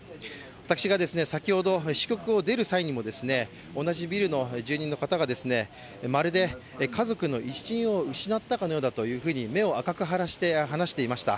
私が先ほど支局を出る際にも同じビルの住民の方がまるで家族の一員を失ったかのようだと目を赤く腫らして話していました。